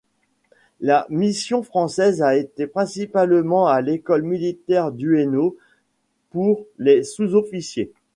La mission française a été principalement à l'école militaire d'Ueno pour les sous-officiers.